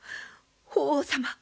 法皇様